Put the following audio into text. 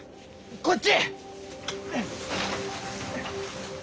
こっち！